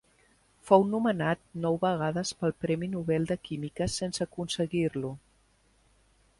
Fou nomenat nou vegades pel premi Nobel de química sense aconseguir-lo.